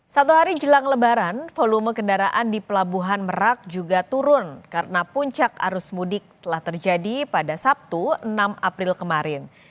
satu hari jelang lebaran volume kendaraan di pelabuhan merak juga turun karena puncak arus mudik telah terjadi pada sabtu enam april kemarin